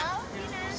pengen kesini lagi gak